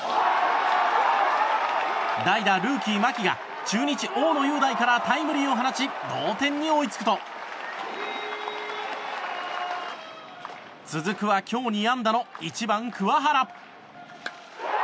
代打、ルーキーの牧が中日、大野雄大からタイムリーを放ち同点に追いつくと続くは今日２安打の１番、桑原。